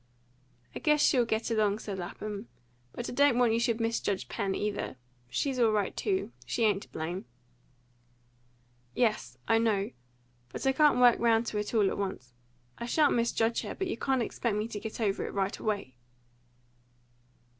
"I guess she'll get along," said Lapham. "But I don't want you should misjudge Pen either. She's all right too. She ain't to blame." "Yes, I know. But I can't work round to it all at once. I shan't misjudge her, but you can't expect me to get over it right away."